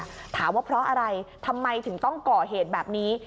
ถามว่าเพราะอะไรทำไมถึงต้องก่อเหตุแบบนี้